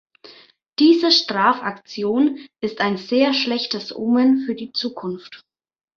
Diese Strafaktion ist ein sehr schlechtes Omen für die Zukunft.